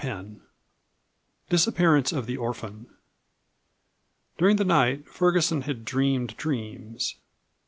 CHAPTER X DISAPPEARANCE OF THE ORPHAN During the night Ferguson had dreamed dreams.